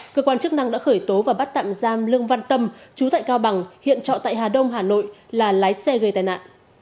cơ quan chức năng đã khởi tố và bắt tạm giam lương văn tâm chú tại cao bằng hiện trọ tại hà đông hà nội là lái xe gây tai nạn